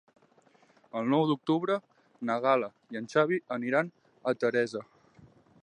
El nou d'octubre na Gal·la i en Xavi aniran a Teresa.